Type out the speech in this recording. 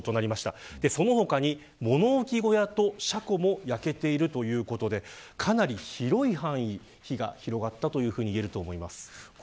その他に物置小屋と車庫も焼けているということでかなり広い範囲で火が広がったといえると思います。